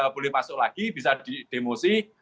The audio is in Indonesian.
boleh masuk lagi bisa di demosi